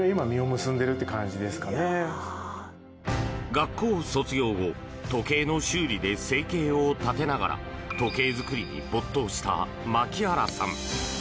学校を卒業後時計の修理で生計を立てながら時計作りに没頭した牧原さん。